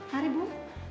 bukan apa apa dokter